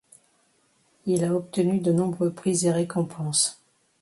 Il a obtenu de nombreux prix et récompenses.